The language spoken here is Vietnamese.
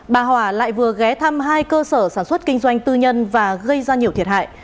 bà hòa lại vừa ghé thăm hai cơ sở sản xuất kinh doanh tư nhân và gây ra nhiều thiệt hại